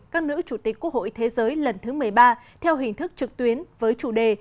các nữ chủ tịch quốc hội thế giới lần thứ một mươi ba theo hình thức trực tuyến với chủ đề